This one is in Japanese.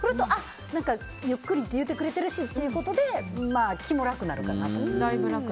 ゆっくりって言うてくれてるしってことで気も楽になるかなと。